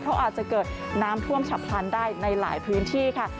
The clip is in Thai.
เพราะอาจจะเกิดน้ำท่วมฉับพลันได้ในหลายพื้นที่ค่ะ